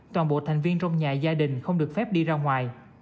toàn bộ thành viên trong nhà gia đình không được phép đi ra ngoài